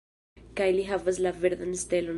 Kaj li havas la verdan stelon.